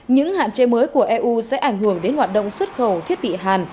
những hạn chế mới của eu sẽ ảnh hưởng đến hoạt động xuất khẩu thiết bị hàn